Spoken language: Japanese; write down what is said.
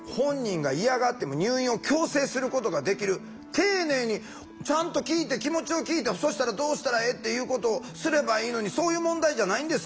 丁寧にちゃんと聞いて気持ちを聞いてそしたらどうしたらええっていうことをすればいいのにそういう問題じゃないんですか？